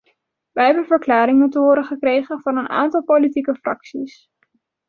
Wij hebben verklaringen te horen gekregen van een aantal politieke fracties.